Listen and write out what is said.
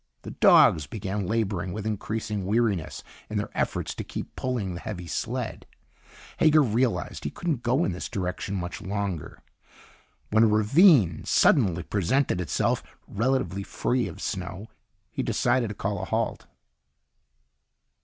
The dogs began laboring with increasing weariness in their efforts to keep pulling the heavy sled. Hager realized he couldn't go in this direction much longer. When a ravine suddenly presented itself, relatively free of snow, he decided to call a halt.